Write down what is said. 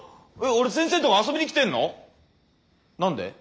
俺先生んとこ遊びに来てんの？